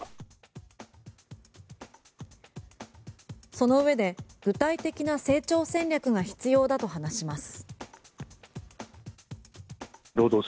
その上で具体的な成長戦略が必要だと話します。